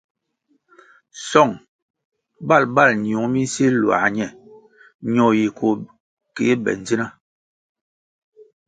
Song bal bal ñiung mi nsil luā ñe ñoh yi kéh be ndzina.